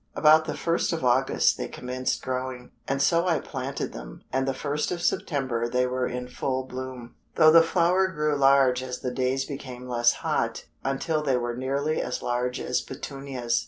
About the first of August they commenced growing, and so I planted them, and the first of September they were in full bloom, though the flower grew large as the days became less hot, until they were nearly as large as Petunias.